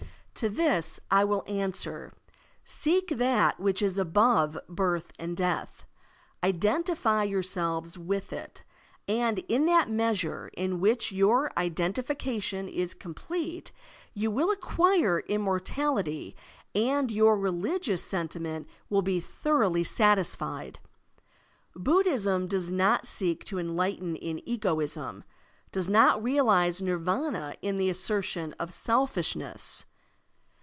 To this I will answer: Seek that which is above birth and death, identify yourselves with it, and in that measure in which your identification is complete you will acquire immortality, and your religious sentiment will be thoroughly satisfied. Buddhism does not seek enlightenment in egoism, does not realize Nirvdna in the assertion of selfishness.